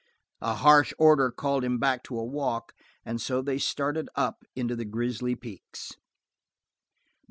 A harsh order called him back to a walk, and so they started up into the Grizzly Peaks.